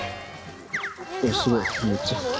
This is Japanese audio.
すごいめっちゃ。